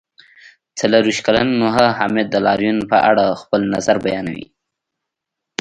څلرویشت کلن نوحه حامد د لاریون په اړه خپل نظر بیانوي.